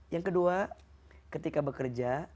yang kedua ketika bekerja